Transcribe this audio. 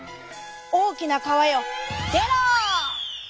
「おおきなかわよでろ！」。